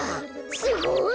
すごい！